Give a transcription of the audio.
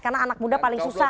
karena anak muda paling susah